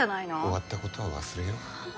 終わったことは忘れようはあ？